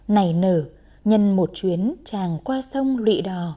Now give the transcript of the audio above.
nảy nở nhân một chuyến chàng qua sông lụy đò